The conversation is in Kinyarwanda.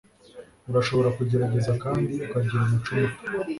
Urashobora kugerageza kandi ukagira umuco muto.